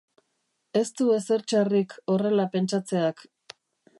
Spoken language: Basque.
Ez du ezer txarrik horrela pentsatzeak.